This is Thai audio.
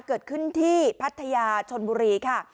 เกิดขึ้นที่พัทยาชนบุรีค่ะ